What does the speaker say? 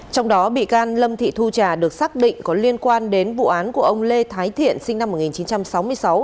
trong đó bị can lâm thị thu trà được xác định có liên quan đến vụ án của ông lê thái thiện sinh năm một nghìn chín trăm sáu mươi sáu